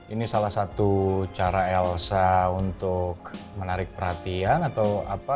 ini salah satu cara elsa untuk menarik perhatian atau apa